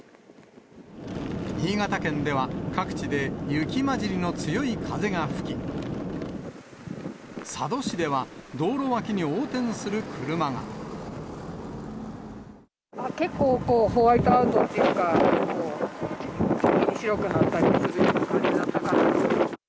新潟県では各地で雪交じりの強い風が吹き、結構、ホワイトアウトっていうか、急に白くなったりするような感じだったから。